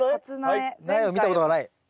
苗を見たことがない？